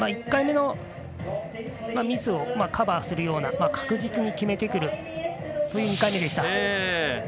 １回目のミスをカバーするような確実に決めてくるそういう２回目でした。